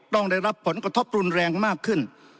ต้องได้รับผลกระทบรุนแรงมากขึ้น